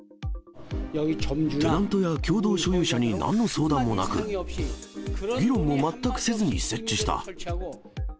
テナントや共同所有者になんの相談もなく、議論も全くせずに設置した。